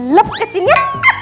lepas ke sini